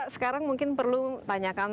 sekarang mungkin perlu tanyakan